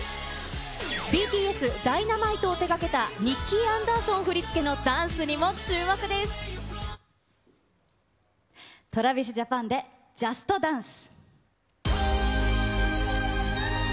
ＢＴＳ、Ｄｙｎａｍｉｔｅを手がけたニッキー・アンダーソン振り付けのダＴｒａｖｉｓＪａｐａｎで、ＪＵＳＴＤＡＮＣＥ！